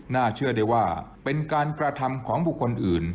เชื่อได้ว่าเป็นการกระทำของบุคคลอื่น